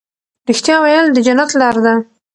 رښتیا ویل د جنت لار ده.